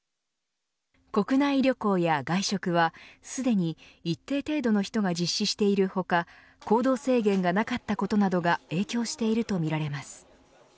国内旅行や外食はすでに一定程度の人が実施している他行動制限がなかったことなどが影響しているとみられます。